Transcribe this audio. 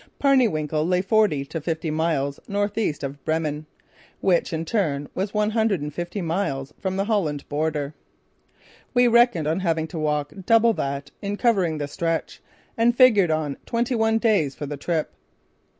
Parniewinkel lay forty to fifty miles northeast of Bremen, which in turn was one hundred and fifty miles from the Holland border. We reckoned on having to walk double that in covering the stretch, and figured on twenty one days for the trip.